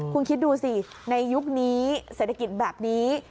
คุณคิดดูสิในยุคนี้เศรษฐกิจแบบนี้